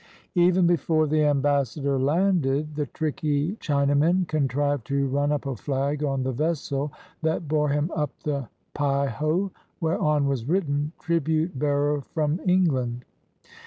Even before the ambassador landed, the tricky Chinamen contrived to run up a flag on the vessel that bore him up the Peiho, whereon was written "Tribute bearer from England."